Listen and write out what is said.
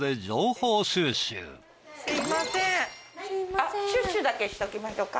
あっシュッシュだけしときましょうか。